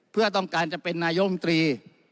เพื่อต้องการจะเป็นนายมตรี